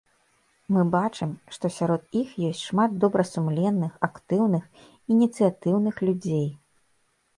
Мы бачым, што сярод іх ёсць шмат добрасумленных, актыўных, ініцыятыўных людзей.